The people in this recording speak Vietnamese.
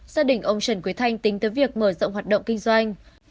gia đình ông trần quý thanh tính tới việc mở rộng hoạt động kinh doanh